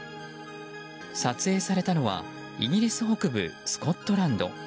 撮影されたのはイギリス北部スコットランド。